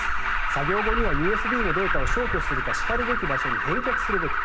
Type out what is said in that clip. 作業後にはＵＳＢのデータを消去するかしかるべき場所に返却するべき。